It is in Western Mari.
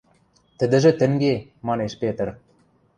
— Тӹдӹжӹ тӹнге, — манеш Петр.